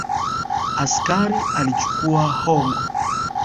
Askari alichukua hongo.